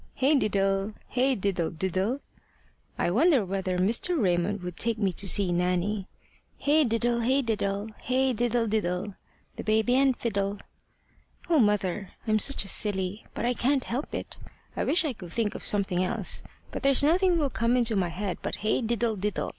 hey diddle! hey diddle diddle! I wonder whether Mr. Raymond would take me to see Nanny. Hey diddle! hey diddle! hey diddle diddle! The baby and fiddle! O, mother, I'm such a silly! But I can't help it. I wish I could think of something else, but there's nothing will come into my head but hey diddle diddle!